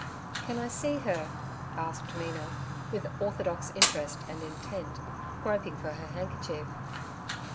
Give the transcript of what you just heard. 'Can I see her?' asked Mina, with orthodox interest and intent, groping for her handkerchief.